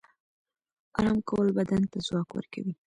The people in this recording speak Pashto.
آرام کول بدن ته ځواک ورکوي